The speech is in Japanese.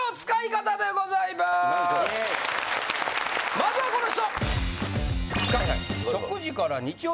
まずはこの人！